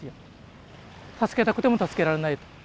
助けたくても助けられないと。